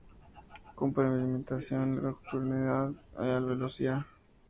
Con premeditación, nocturnidad y alevosía